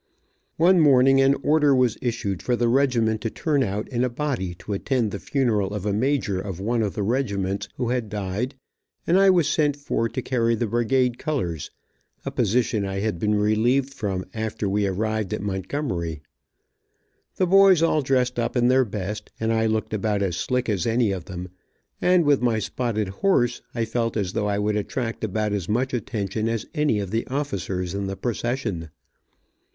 One morning an order was issued for the regiment to turn out in a body to attend the funeral of a major of one of the regiments, who had died, and I was sent for to carry the brigade colors, a position I had been relieved from after we arrived at Montgomery. The boys all dressed up in their best, and I looked about as slick as any of them, and with my spotted horse, I felt as though I would attract about as much attention as any of the officers in the procession.